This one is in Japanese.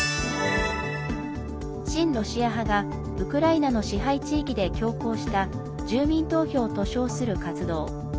親ロシア派がウクライナの支配地域で強行した住民投票と称する活動。